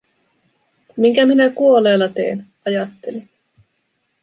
Minkä minä kuolleella teen, ajattelin.